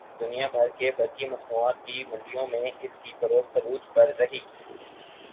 دنیا بھر کی برقی مصنوعات کی منڈیوں میں اس کی فروخت عروج پر رہی